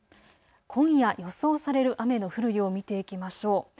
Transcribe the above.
今夜、予想される雨の降る量、見ていきましょう。